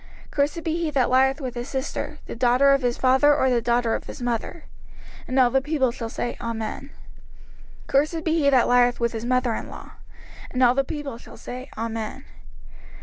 05:027:022 Cursed be he that lieth with his sister, the daughter of his father, or the daughter of his mother. And all the people shall say, Amen. 05:027:023 Cursed be he that lieth with his mother in law. And all the people shall say, Amen.